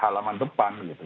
halaman depan gitu